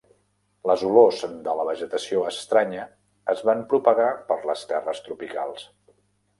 Les olors de la vegetació estranya es van propagar per les terres tropicals.